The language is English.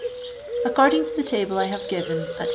According to the table I have given at pp.